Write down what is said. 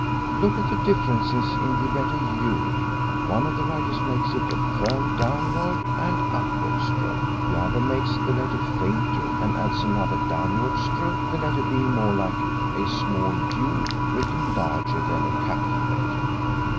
Look at the differences in the letter 'U.' One of the writers makes it a firm downward and upward stroke; the other makes the letter fainter and adds another downward stroke, the letter being more like a small 'u' written larger than a capital letter.